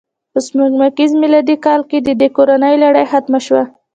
په سپوږمیز میلادي کال کې د دې کورنۍ لړۍ ختمه شوه.